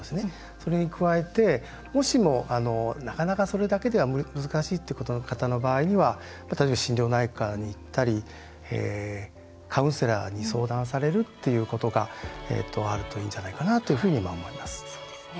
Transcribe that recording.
それに加えて、もしもなかなか、それだけでは難しいって方の場合には例えば心療内科に行ったりカウンセラーに相談されるっていうことがあるといいんじゃないかなというふうに思います。